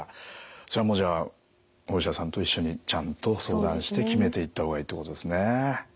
それもじゃあお医者さんと一緒にちゃんと相談して決めていった方がいいってことですね。